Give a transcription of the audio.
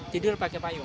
tidur pakai payung